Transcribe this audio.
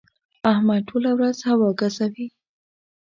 احمد ټوله ورځ هوا ګزوي.